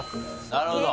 なるほど。